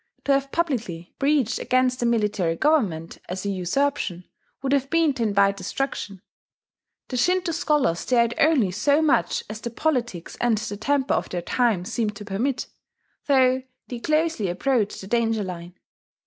To have publicly preached against the military government as a usurpation would have been to invite destruction. The Shinto scholars dared only so much as the politics and the temper of their time seemed to permit, though they closely approached the danger line.